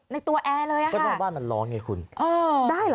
ในตัวแอร์เลยค่ะ